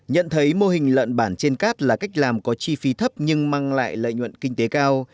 nhận thấy mô hình lợn bản trên cát là cách làm có chi phí thấp nhưng mang lại lợi nhuận kinh tế cao